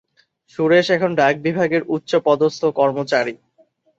সুরেশ এখন ডাকবিভাগের উচ্চপদস্থ কর্মচারী।